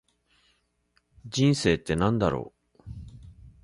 人生って何だろう。